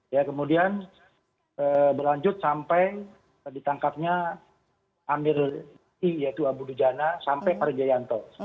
ya kemudian berlanjut sampai ditangkapnya amir i yaitu abu dujana sampai parijayanto